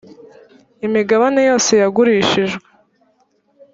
imigabane yose yagurishijwe